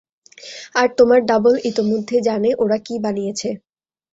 আর তোমার ডাবল ইতোমধ্যে জানে ওরা কী বানিয়েছে।